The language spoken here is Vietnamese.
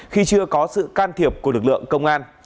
khi chưa có sự can thiệp của lực lượng công an